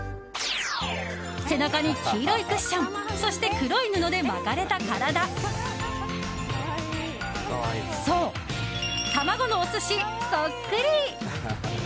背中に黄色いクッションそして黒い布で巻かれた体そう、玉子のお寿司そっくり！